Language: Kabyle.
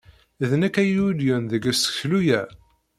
D nekk ay yulyen deg useklu-a.